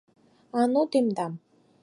А, ну тендам!..